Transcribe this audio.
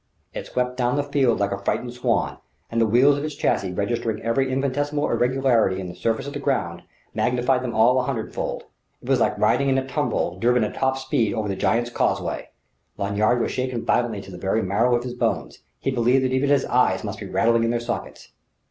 It swept down the field like a frightened swan; and the wheels of its chassis, registering every infinitesimal irregularity in the surface of the ground, magnified them all a hundred fold. It was like riding in a tumbril driven at top speed over the Giant's Causeway. Lanyard was shaken violently to the very marrow of his bones; he believed that even his eyes must be rattling in their sockets....